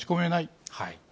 持ち込めない。